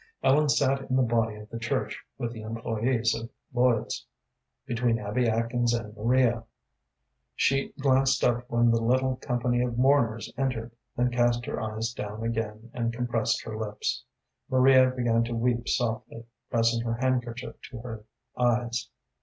Ellen sat in the body of the church, with the employés of Lloyd's, between Abby Atkins and Maria. She glanced up when the little company of mourners entered, then cast her eyes down again and compressed her lips. Maria began to weep softly, pressing her handkerchief to her eyes.